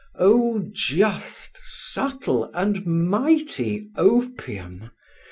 Oh, just, subtle, and mighty opium!